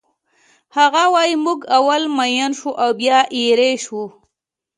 هغه وایی موږ اول مین شو او بیا ایرې شو